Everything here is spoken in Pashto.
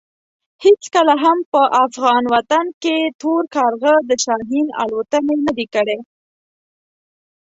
هېڅکله هم په افغان وطن کې تور کارغه د شاهین الوتنې نه دي کړې.